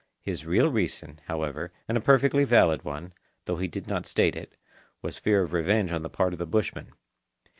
His real reason, however, and a perfectly valid one, though he did not state it, was fear of revenge on the part of the bushmen.